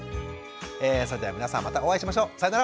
えそれでは皆さんまたお会いしましょう。さようなら。